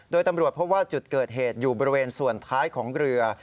โดยตำรวจพบว่าจุดเกิดเหตุอยู่บริเวณส่วนท้ายของเรือ